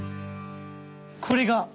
これが。